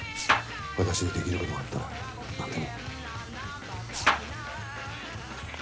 私にできることがあったら何でも。